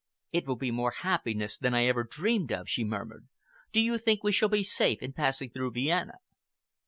"It will be more happiness than I ever dreamed of," she murmured. "Do you think we shall be safe in passing through Vienna?"